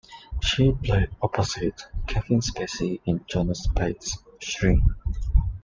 She played opposite Kevin Spacey in Jonas Pate's "Shrink".